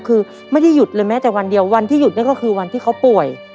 คือไม่ได้หยุดเลยแม้แต่วันเดียววันที่หยุดนั่นก็คือวันที่เขาป่วย